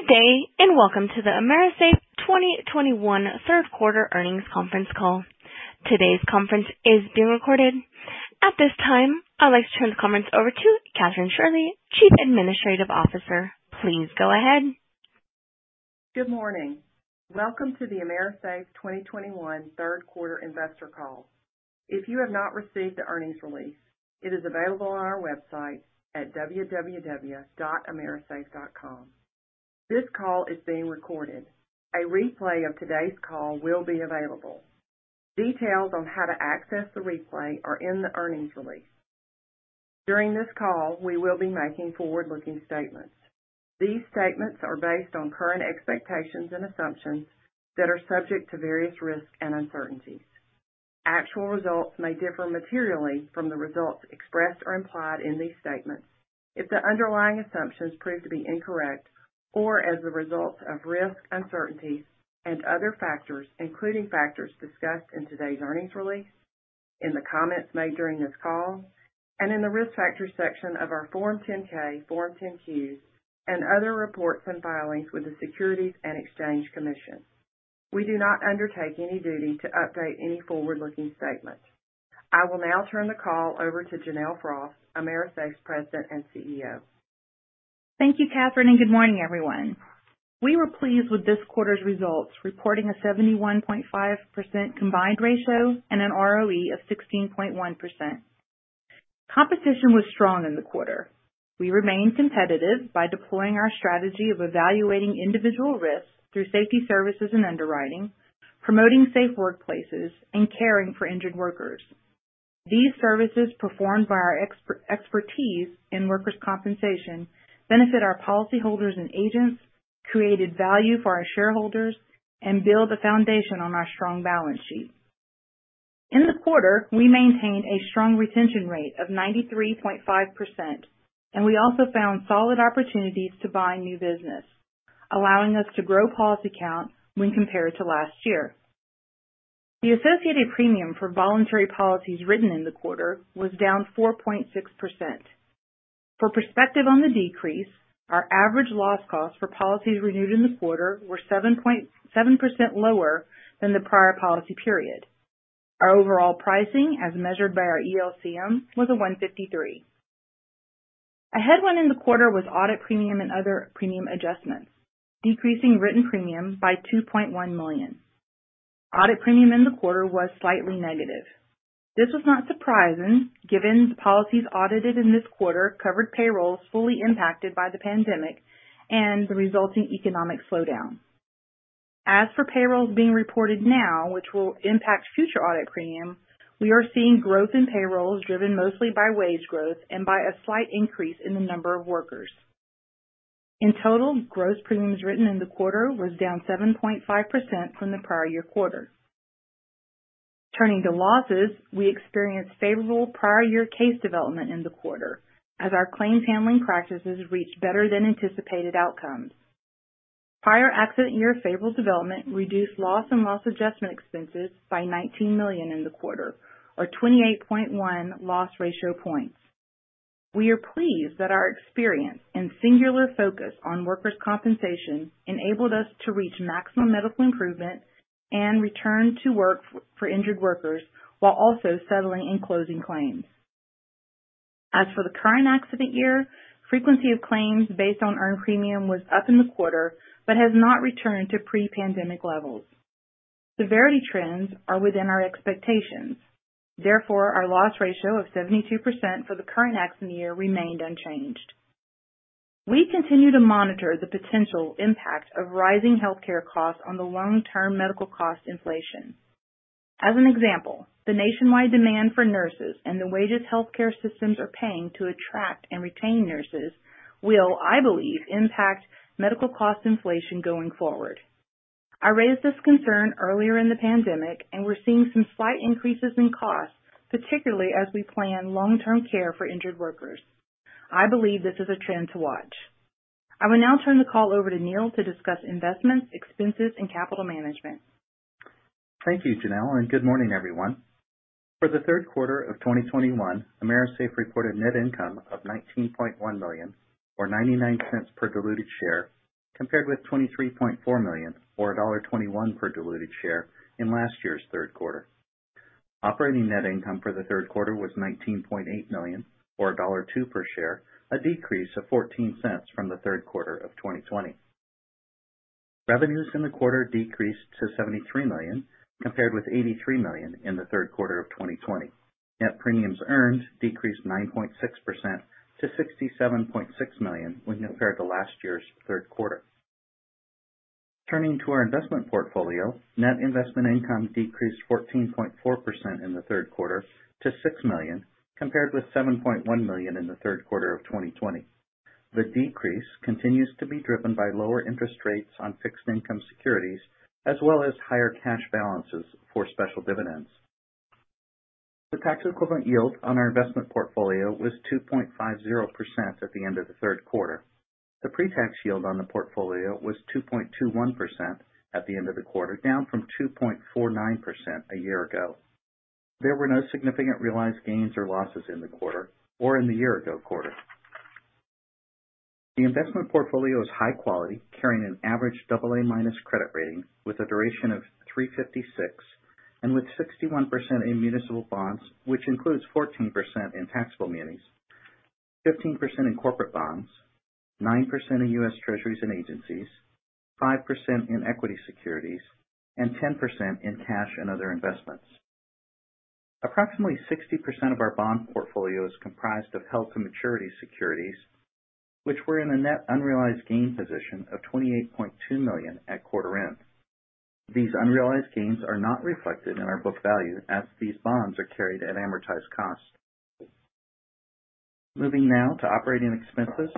Good day. Welcome to the AMERISAFE 2021 third quarter earnings conference call. Today's conference is being recorded. At this time, I'd like to turn the conference over to Kathryn Shirley, Chief Administrative Officer. Please go ahead. Good morning. Welcome to the AMERISAFE 2021 third quarter investor call. If you have not received the earnings release, it is available on our website at www.amerisafe.com. This call is being recorded. A replay of today's call will be available. Details on how to access the replay are in the earnings release. During this call, we will be making forward-looking statements. These statements are based on current expectations and assumptions that are subject to various risks and uncertainties. Actual results may differ materially from the results expressed or implied in these statements if the underlying assumptions prove to be incorrect or as a result of risks, uncertainties and other factors, including factors discussed in today's earnings release, in the comments made during this call, and in the Risk Factors section of our Form 10-K, Form 10-Qs, and other reports and filings with the Securities and Exchange Commission. We do not undertake any duty to update any forward-looking statements. I will now turn the call over to Janelle Frost, AMERISAFE's President and CEO. Thank you, Kathryn. Good morning, everyone. We were pleased with this quarter's results, reporting a 71.5% combined ratio and an ROE of 16.1%. Competition was strong in the quarter. We remained competitive by deploying our strategy of evaluating individual risks through safety services and underwriting, promoting safe workplaces, and caring for injured workers. These services, performed by our expertise in workers' compensation, benefit our policyholders and agents, created value for our shareholders, and build a foundation on our strong balance sheet. In the quarter, we maintained a strong retention rate of 93.5%, and we also found solid opportunities to buy new business, allowing us to grow policy count when compared to last year. The associated premium for voluntary policies written in the quarter was down 4.6%. For perspective on the decrease, our average loss costs for policies renewed in the quarter were 7% lower than the prior policy period. Our overall pricing, as measured by our ELCM, was a 153. A headwind in the quarter was audit premium and other premium adjustments, decreasing written premiums by $2.1 million. Audit premium in the quarter was slightly negative. This was not surprising given the policies audited in this quarter covered payrolls fully impacted by the pandemic and the resulting economic slowdown. As for payrolls being reported now, which will impact future audit premium, we are seeing growth in payrolls driven mostly by wage growth and by a slight increase in the number of workers. In total, gross premiums written in the quarter was down 7.5% from the prior year quarter. Turning to losses, we experienced favorable prior year case development in the quarter as our claims handling practices reached better than anticipated outcomes. Prior accident year favorable development reduced loss and loss adjustment expenses by $19 million in the quarter, or 28.1 loss ratio points. We are pleased that our experience and singular focus on workers' compensation enabled us to reach maximum medical improvement and return to work for injured workers while also settling and closing claims. As for the current accident year, frequency of claims based on earned premium was up in the quarter but has not returned to pre-pandemic levels. Severity trends are within our expectations. Therefore, our loss ratio of 72% for the current accident year remained unchanged. We continue to monitor the potential impact of rising healthcare costs on the long-term medical cost inflation. As an example, the nationwide demand for nurses and the wages healthcare systems are paying to attract and retain nurses will, I believe, impact medical cost inflation going forward. I raised this concern earlier in the pandemic, we're seeing some slight increases in costs, particularly as we plan long-term care for injured workers. I believe this is a trend to watch. I will now turn the call over to Neal to discuss investments, expenses, and capital management. Thank you, Janelle, good morning, everyone. For the third quarter of 2021, AMERISAFE reported net income of $19.1 million, or $0.99 per diluted share, compared with $23.4 million, or $1.21 per diluted share, in last year's third quarter. Operating net income for the third quarter was $19.8 million, or $1.02 per share, a decrease of $0.14 from the third quarter of 2020. Revenues in the quarter decreased to $73 million compared with $83 million in the third quarter of 2020. Net premiums earned decreased 9.6% to $67.6 million when compared to last year's third quarter. Turning to our investment portfolio, net investment income decreased 14.4% in the third quarter to $6 million, compared with $7.1 million in the third quarter of 2020. The decrease continues to be driven by lower interest rates on fixed income securities, as well as higher cash balances for special dividends. The tax equivalent yield on our investment portfolio was 2.50% at the end of the third quarter. The pre-tax yield on the portfolio was 2.21% at the end of the quarter, down from 2.49% a year ago. There were no significant realized gains or losses in the quarter or in the year ago quarter. The investment portfolio is high quality, carrying an average AA- credit rating with a duration of 356 and with 61% in municipal bonds, which includes 14% in taxable munis, 15% in corporate bonds, 9% in U.S. Treasuries and agencies, 5% in equity securities, and 10% in cash and other investments. Approximately 60% of our bond portfolio is comprised of held-to-maturity securities, which were in a net unrealized gain position of $28.2 million at quarter end. These unrealized gains are not reflected in our book value as these bonds are carried at amortized cost. Moving now to operating expenses.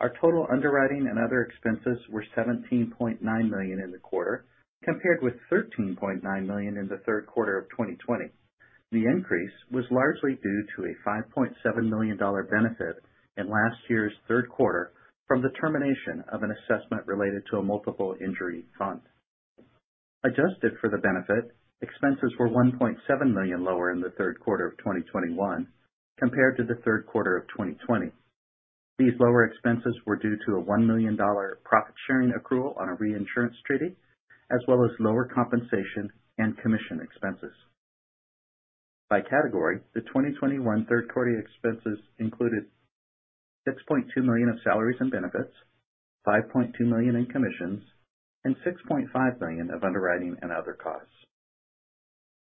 Our total underwriting and other expenses were $17.9 million in the quarter, compared with $13.9 million in the third quarter of 2020. The increase was largely due to a $5.7 million benefit in last year's third quarter from the termination of an assessment related to a multiple injury fund. Adjusted for the benefit, expenses were $1.7 million lower in the third quarter of 2021 compared to the third quarter of 2020. These lower expenses were due to a $1 million profit-sharing accrual on a reinsurance treaty, as well as lower compensation and commission expenses. By category, the 2021 third quarter expenses included $6.2 million of salaries and benefits, $5.2 million in commissions, and $6.5 million of underwriting and other costs.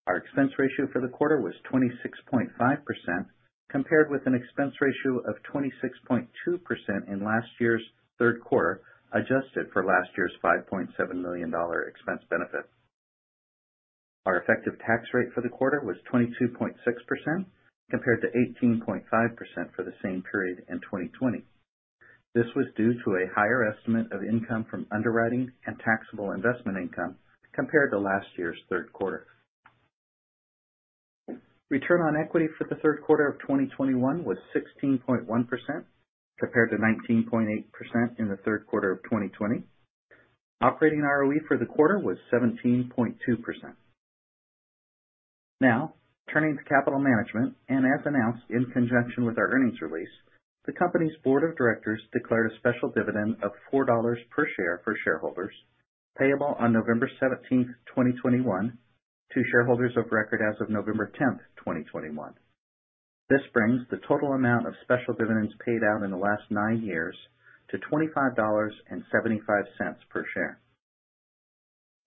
Our expense ratio for the quarter was 26.5% compared with an expense ratio of 26.2% in last year's third quarter, adjusted for last year's $5.7 million expense benefit. Our effective tax rate for the quarter was 22.6%, compared to 18.5% for the same period in 2020. This was due to a higher estimate of income from underwriting and taxable investment income compared to last year's third quarter. Return on equity for the third quarter of 2021 was 16.1% compared to 19.8% in the third quarter of 2020. Operating ROE for the quarter was 17.2%. Now turning to capital management, as announced in conjunction with our earnings release, the company's board of directors declared a special dividend of $4 per share for shareholders payable on November 17, 2021 to shareholders of record as of November 10, 2021.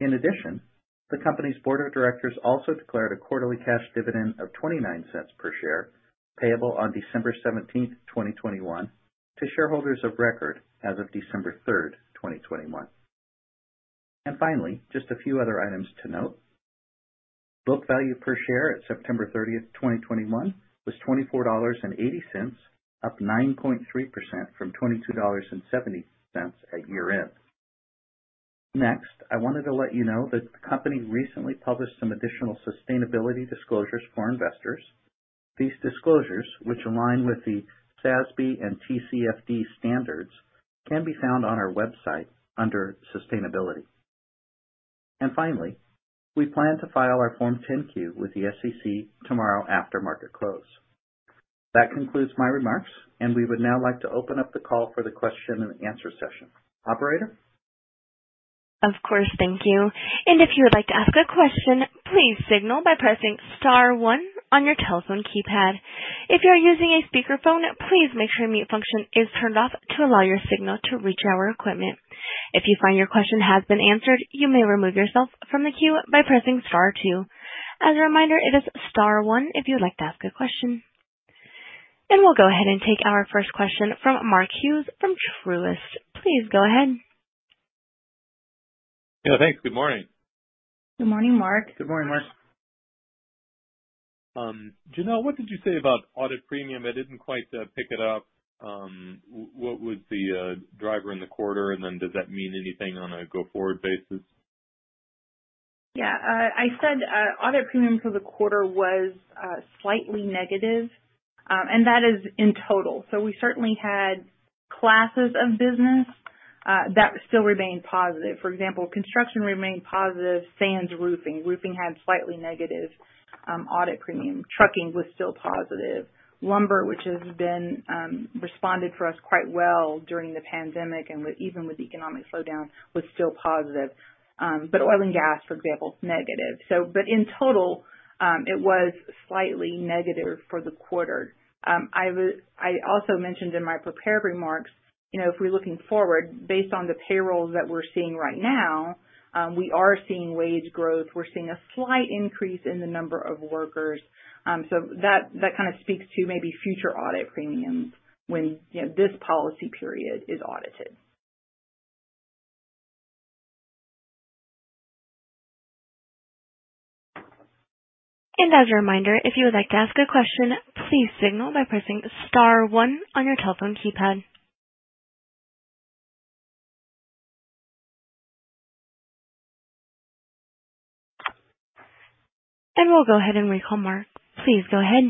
In addition, the company's board of directors also declared a quarterly cash dividend of $0.29 per share payable on December 17, 2021 to shareholders of record as of December 3, 2021. Finally, just a few other items to note. Book value per share at September 30, 2021 was $24.80, up 9.3% from $22.70 at year-end. Next, I wanted to let you know that the company recently published some additional sustainability disclosures for investors. These disclosures, which align with the SASB and TCFD standards, can be found on our website under Sustainability. Finally, we plan to file our Form 10-Q with the SEC tomorrow after market close. That concludes my remarks, and we would now like to open up the call for the question and answer session. Operator? Of course. Thank you. If you would like to ask a question, please signal by pressing star one on your telephone keypad. If you are using a speakerphone, please make sure mute function is turned off to allow your signal to reach our equipment. If you find your question has been answered, you may remove yourself from the queue by pressing star two. As a reminder, it is star one if you would like to ask a question. We'll go ahead and take our first question from Mark Hughes from Truist. Please go ahead. Yeah, thanks. Good morning. Good morning, Mark. Good morning, Mark. Janelle, what did you say about audit premium? I didn't quite pick it up. What was the driver in the quarter, and then does that mean anything on a go-forward basis? Yeah. I said audit premium for the quarter was slightly negative, that is in total. We certainly had classes of business that still remained positive. For example, construction remained positive sans roofing. Roofing had slightly negative audit premium. Trucking was still positive. Lumber, which has responded for us quite well during the pandemic and even with economic slowdown, was still positive. Oil and gas, for example, is negative. In total, it was slightly negative for the quarter. I also mentioned in my prepared remarks, if we're looking forward based on the payrolls that we're seeing right now, we are seeing wage growth. We're seeing a slight increase in the number of workers. That kind of speaks to maybe future audit premiums when this policy period is audited. As a reminder, if you would like to ask a question, please signal by pressing star one on your telephone keypad. We'll go ahead and recall Mark. Please go ahead.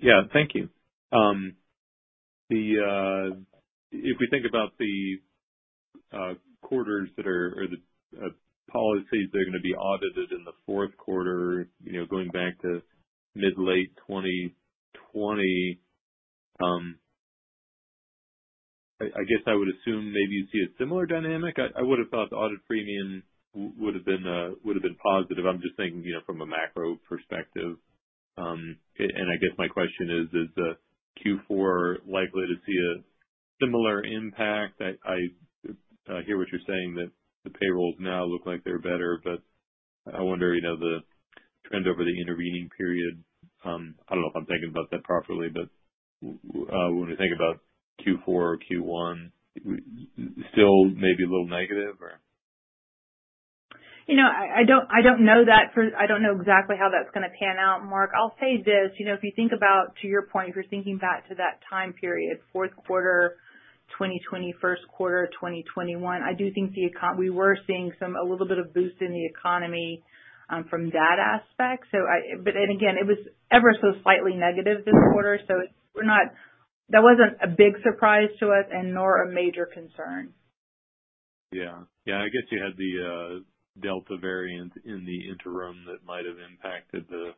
Yeah. Thank you. If we think about the quarters that are, or the policies that are going to be audited in the fourth quarter, going back to mid-late 2020, I guess I would assume maybe you'd see a similar dynamic. I would've thought the audit premium would've been positive. I'm just thinking from a macro perspective. I guess my question is Q4 likely to see a similar impact? I hear what you're saying, that the payrolls now look like they're better, but I wonder the trend over the intervening period. I don't know if I'm thinking about that properly, but when we think about Q4 or Q1, still maybe a little negative, or? I don't know exactly how that's going to pan out, Mark. I'll say this, if you think about, to your point, if you're thinking back to that time period, fourth quarter 2020, first quarter 2021, I do think we were seeing a little bit of boost in the economy from that aspect. Again, it was ever so slightly negative this quarter, so that wasn't a big surprise to us and nor a major concern. Yeah. I guess you had the delta variant in the interim that might've impacted the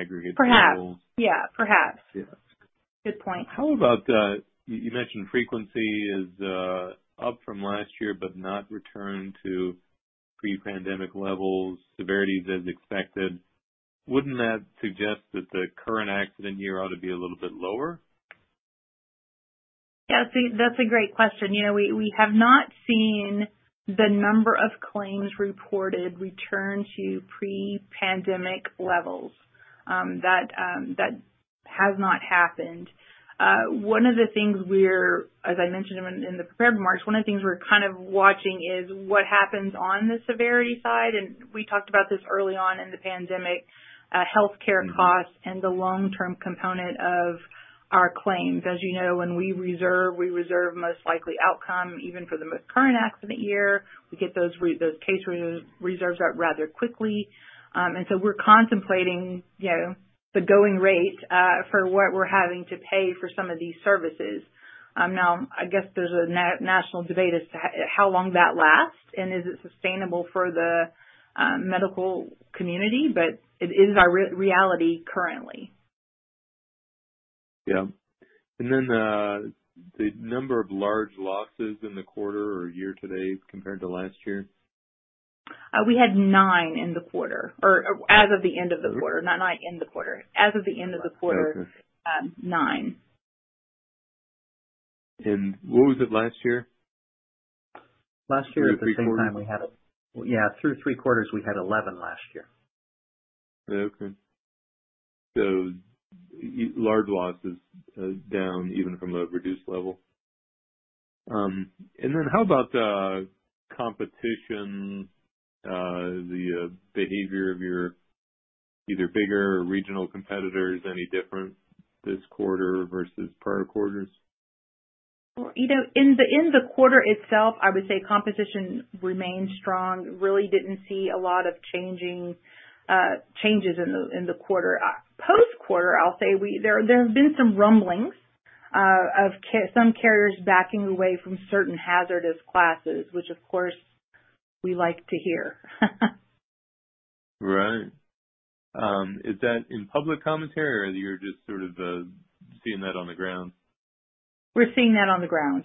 aggregate- Perhaps. Yeah. Perhaps. Yeah. Good point. You mentioned frequency is up from last year, but not returned to pre-pandemic levels, severities as expected. Wouldn't that suggest that the current accident year ought to be a little bit lower? Yeah, that's a great question. We have not seen the number of claims reported return to pre-pandemic levels. That has not happened. As I mentioned in the prepared remarks, one of the things we're kind of watching is what happens on the severity side, and we talked about this early on in the pandemic, healthcare costs and the long-term component of our claims. As you know, when we reserve, we reserve most likely outcome, even for the most current accident year. We get those case reserves out rather quickly. We're contemplating the going rate for what we're having to pay for some of these services. Now, I guess there's a national debate as to how long that lasts, and is it sustainable for the medical community, but it is our reality currently. Yeah. The number of large losses in the quarter or year to date compared to last year? We had nine in the quarter, or as of the end of the quarter. Not in the quarter. Okay nine. What was it last year? Last year. Through three quarters. at the same time we had it. Yeah, through three quarters we had 11 last year. Okay. Large losses down even from the reduced level. How about competition, the behavior of your either bigger regional competitors, any different this quarter versus prior quarters? In the quarter itself, I would say competition remained strong. Really didn't see a lot of changes in the quarter. Post-quarter, I'll say, there have been some rumblings of some carriers backing away from certain hazardous classes, which, of course, we like to hear. Right. Is that in public commentary, or you're just sort of seeing that on the ground? We're seeing that on the ground.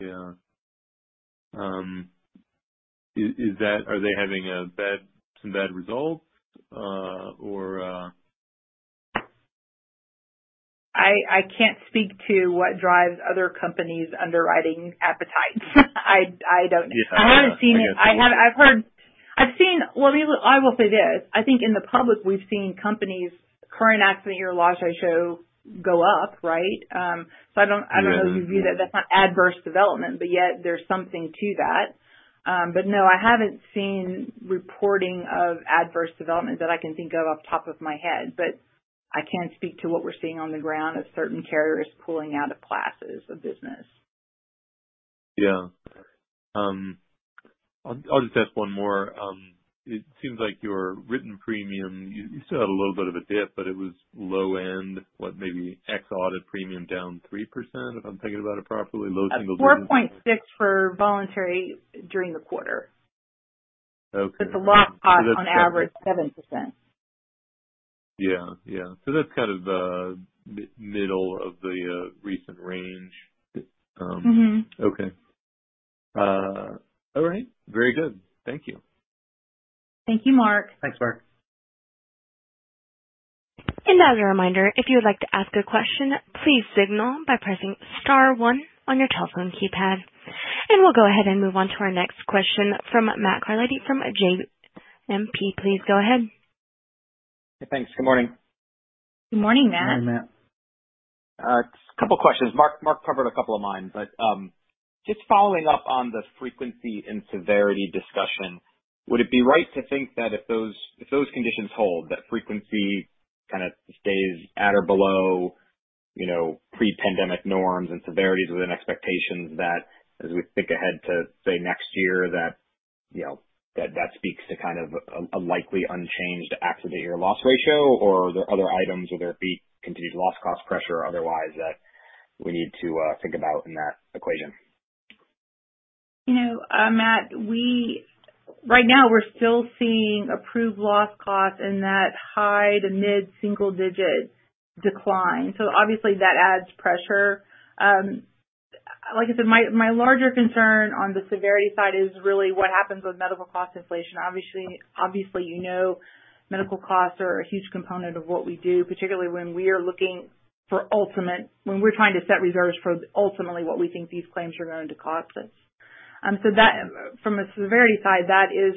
Yeah. Are they having some bad results? I can't speak to what drives other companies' underwriting appetite. I don't know. Yeah. I guess so. I will say this, I think in the public, we've seen companies' current accident year loss ratio go up, right? I don't know if you view that that's not adverse development, but yet there's something to that. No, I haven't seen reporting of adverse development that I can think of off top of my head. I can speak to what we're seeing on the ground of certain carriers pulling out of classes of business. Yeah. I'll just ask one more. It seems like your written premium, you still had a little bit of a dip, but it was low end, what maybe X audit premium down 3%, if I'm thinking about it properly, low single digits. 4.6% for voluntary during the quarter. Okay. With the loss cost on average 7%. Yeah. That's kind of the middle of the recent range. Okay. All right. Very good. Thank you. Thank you, Mark. Thanks, Mark. As a reminder, if you would like to ask a question, please signal by pressing star one on your telephone keypad. We'll go ahead and move on to our next question from Matt Carletti from JMP. Please go ahead. Yeah, thanks. Good morning. Good morning, Matt. Morning, Matt. A couple questions. Mark covered a couple of mine, but following up on the frequency and severity discussion, would it be right to think that if those conditions hold, that frequency kind of stays at or below pre-pandemic norms and severities within expectations that as we think ahead to, say, next year, that speaks to kind of a likely unchanged accident year loss ratio or are there other items, whether it be continued loss cost pressure or otherwise that we need to think about in that equation? Matt, right now we're still seeing approved loss costs in that high to mid-single digit decline. Obviously that adds pressure. Like I said, my larger concern on the severity side is really what happens with medical cost inflation. Obviously, you know medical costs are a huge component of what we do, particularly when we're trying to set reserves for ultimately what we think these claims are going to cost us. From a severity side, that is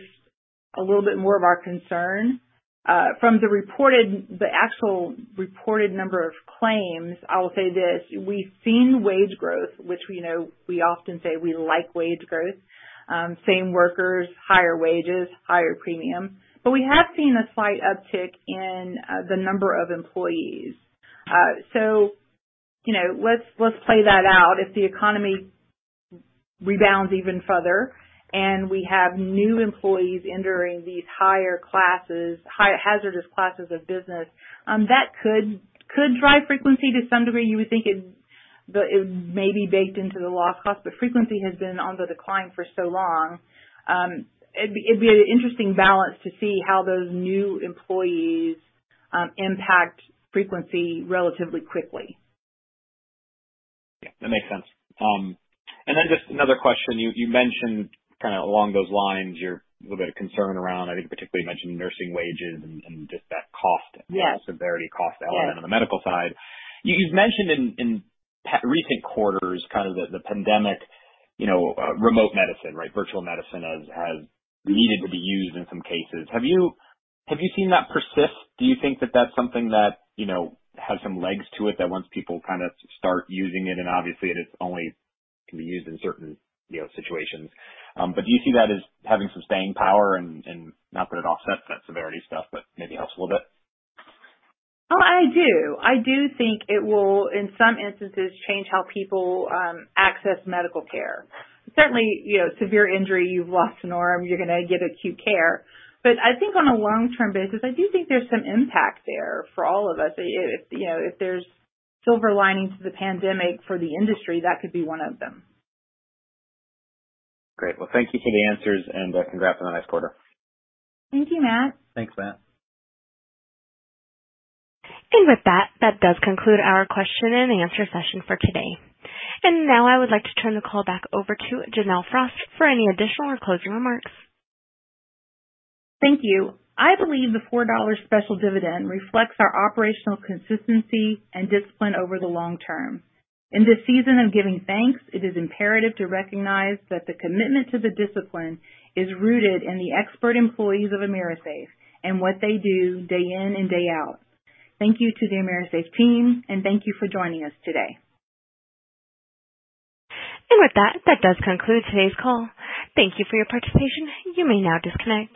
a little bit more of our concern. From the actual reported number of claims, I will say this, we've seen wage growth, which we often say we like wage growth. Same workers, higher wages, higher premium. We have seen a slight uptick in the number of employees. Let's play that out. If the economy rebounds even further, we have new employees entering these higher hazardous classes of business, that could drive frequency to some degree. You would think it may be baked into the loss cost, frequency has been on the decline for so long. It'd be an interesting balance to see how those new employees impact frequency relatively quickly. That makes sense. Just another question, you mentioned kind of along those lines, your little bit of concern around, I think particularly you mentioned nursing wages and just that cost. Yes severity cost element. Yes on the medical side. You've mentioned in recent quarters kind of the pandemic remote medicine, right? Virtual medicine has needed to be used in some cases. Have you seen that persist? Do you think that that's something that has some legs to it, that once people kind of start using it, and obviously it only can be used in certain situations, but do you see that as having some staying power and not that it offsets that severity stuff, but maybe helps a little bit? Oh, I do. I do think it will, in some instances, change how people access medical care. Certainly, severe injury, you've lost an arm, you're going to get acute care. I think on a long-term basis, I do think there's some impact there for all of us. If there's silver linings to the pandemic for the industry, that could be one of them. Great. Well, thank you for the answers and congrats on a nice quarter. Thank you, Matt. Thanks, Matt. With that does conclude our question and answer session for today. Now I would like to turn the call back over to Janelle Frost for any additional or closing remarks. Thank you. I believe the $4 special dividend reflects our operational consistency and discipline over the long term. In this season of giving thanks, it is imperative to recognize that the commitment to the discipline is rooted in the expert employees of AMERISAFE and what they do day in and day out. Thank you to the AMERISAFE team, and thank you for joining us today. With that does conclude today's call. Thank you for your participation. You may now disconnect.